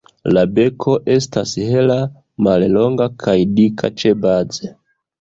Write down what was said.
La beko estas hela, mallonga kaj dika ĉebaze.